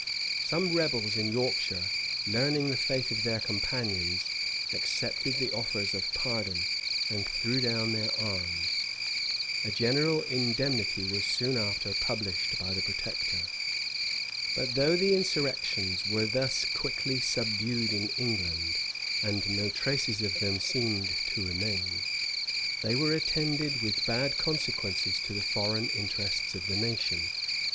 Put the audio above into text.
Some rebels in Yorkshire, learning the fate of their companions, accepted the offers of pardon, and threw down their arms. A general indemnity was soon after published by the protector.[] * Stowe, p. 597. Holingshed, p. 1030 34. Strype, vol. ii. p. 174. Hayward, p. 297, 298, 299. But though the insurrections were thus quickly subdued in England, and no traces of them seemed to remain, they were attended with bad consequences to the foreign interests of the nation.